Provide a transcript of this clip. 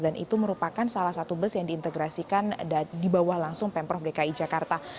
dan itu merupakan salah satu bus yang diintegrasikan di bawah langsung pemprov dki jakarta